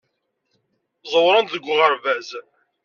Ẓewrent deg uɣerbaz.